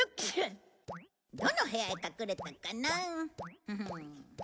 どの部屋へ隠れたかな？